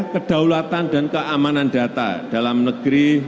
kedaulatan dan keamanan data dalam negeri